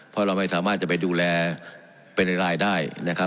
เพราะเราไม่สามารถจะไปดูแลเป็นรายได้นะครับ